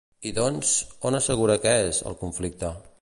I doncs, on assegura que és, el conflicte?